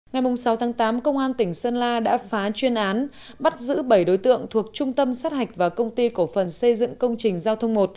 ngày sáu tháng tám công an tỉnh sơn la đã phá chuyên án bắt giữ bảy đối tượng thuộc trung tâm sát hạch và công ty cổ phần xây dựng công trình giao thông một